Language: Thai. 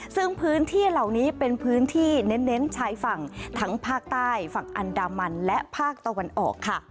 ซึ่งพื้นที่เหล่านี้เป็นพื้นที่เน้นชายฝั่งทั้งภาคใต้ฝั่งอันดามันและภาคตะวันออกค่ะ